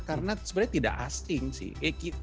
karena sebenarnya tidak asing sih